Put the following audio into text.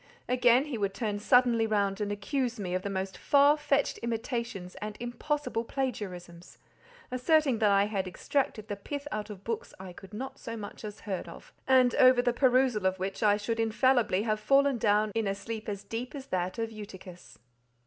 Again, he would turn suddenly round and accuse me of the most far fetched imitations and impossible plagiarisms, asserting that I had extracted the pith out of books I had not so much as heard of—and over the perusal of which I should infallibly have fallen down in a sleep as deep as that of Eutychus.